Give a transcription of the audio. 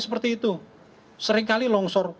seperti itu seringkali longsor